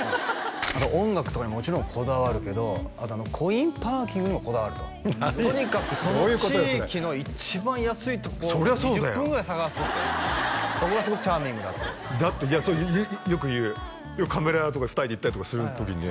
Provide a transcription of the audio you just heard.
あと音楽とかにもちろんこだわるけどコインパーキングにもこだわるととにかくその地域の一番安いところを２０分ぐらい探すってそこがすごくチャーミングだってだってそれよく言うカメラ屋とか２人で行ったりとかする時にね